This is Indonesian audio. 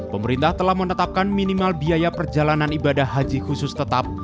pemerintah telah menetapkan minimal biaya perjalanan ibadah haji khusus tetap